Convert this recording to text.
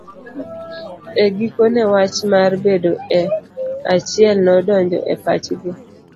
E gikone wach mar bedo e achiel nodonjo e pachgi.